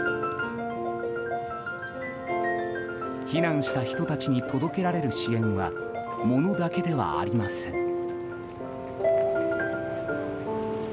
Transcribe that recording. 避難した人たちに届けられる支援は物だけではありません。